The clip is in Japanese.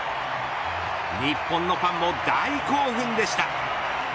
日本のファンも大興奮でした。